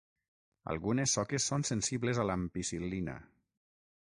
Algunes soques són sensibles a l'ampicil·lina.